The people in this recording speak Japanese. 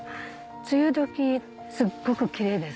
梅雨時すっごくキレイですね。